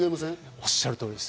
おっしゃる通りです。